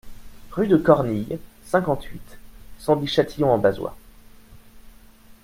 Rue de Cornille, cinquante-huit, cent dix Châtillon-en-Bazois